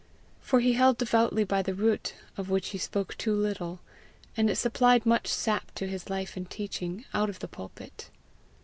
For he held devoutly by the root of which he spoke too little, and it supplied much sap to his life and teaching out of the pulpit.